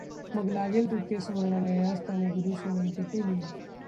मग लागेल तितके सुवर्ण नेण्यास त्याने गुरूस विनंति केली.